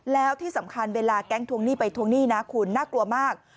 แล้วที่สำคัญเวลาแก๊งทวงหนี้ไปทวงหนี้นะคุณน่ากลัวมาก